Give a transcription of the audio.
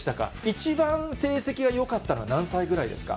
一番成績がよかったのは何歳ぐらいですか？